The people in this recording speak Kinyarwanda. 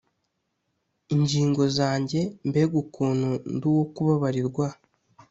ingingo zanjye Mbega ukuntu ndi uwo kubabarirwa